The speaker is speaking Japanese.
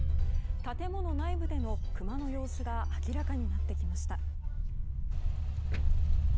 建物内部でのクマの様子が明らかになってきました。